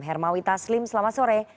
hermawi taslim selamat sore